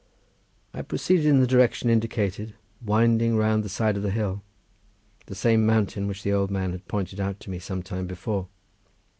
I proceeded in the direction indicated, winding round the side of the hill, the same mountain which the old man had pointed out to me some time before.